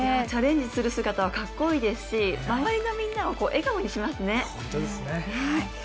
チャレンジする姿はかっこいいですし周りのみんなを笑顔にしますね。